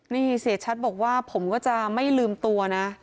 นี่เศษชัตริย์บอกว่าผมก็จะไม่ลืมตัวนะ